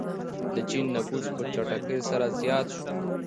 د چین نفوس په چټکۍ سره زیات شو.